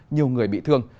nhiều người bị thương